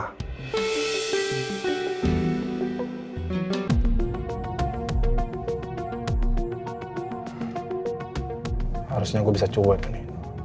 harusnya gue bisa cuet ini